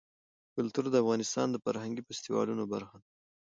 کلتور د افغانستان د فرهنګي فستیوالونو برخه ده.